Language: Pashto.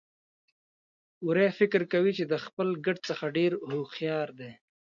وری فکر کوي چې د خپل ګډ څخه ډېر هوښيار دی.